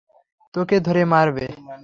তোকে ধরে মারবে!